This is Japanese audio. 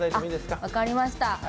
分かりました。